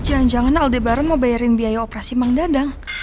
jangan jangan aldebaran mau bayarin biaya operasi mang dadang